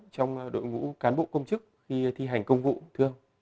trong đội ngũ cán bộ công chức khi thi hành công vụ thương